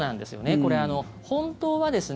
これ、本当はですね